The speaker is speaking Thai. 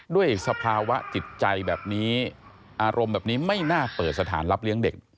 สภาวะจิตใจแบบนี้อารมณ์แบบนี้ไม่น่าเปิดสถานรับเลี้ยงเด็ก